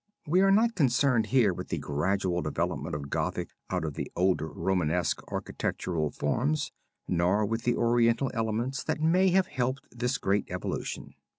We are not concerned here with the gradual development of Gothic out of the older Romanesque architectural forms, nor with the Oriental elements that may have helped this great evolution.